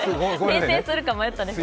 訂正するか迷ったんです。